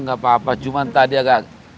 nggak apa apa cuma tadi agak